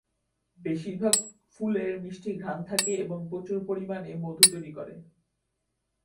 বেশির ভাগ ফুলের মিষ্টি ঘ্রাণ থাকে এবং প্রচুর পরিমানে মধু তৈরি করে।